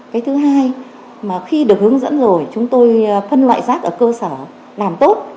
cái thứ hai mà khi được hướng dẫn rồi chúng tôi phân loại rác ở cơ sở làm tốt